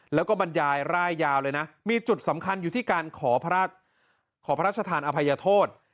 แล้วก็บรรยายร่ายยาวเลยนะมีจุดสำคัญอยู่ที่การขอพระราชทานอภัยโทษ